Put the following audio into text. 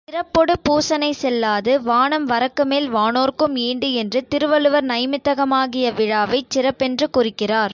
சிறப்பொடு பூசனை செல்லாது, வானம் வறக்குமேல் வானோர்க்கும் ஈண்டு என்று திருவள்ளுவர் நைமித்திகமாகிய விழாவைச் சிறப்பென்று குறிக்கிறார்.